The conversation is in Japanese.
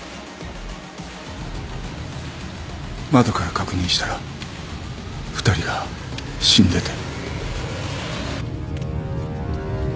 窓から確認したら２人が死んでて。